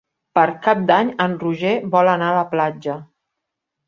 Per Cap d'Any en Roger vol anar a la platja.